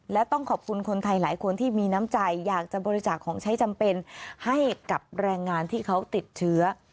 และต้องขอบคุณคนไทยหลายคนที่มีน้ำใจอยากจะบริจาคของใช้จำเป็นให้กับแรงงานที่เขาติดเชื้อ